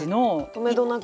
とめどなく。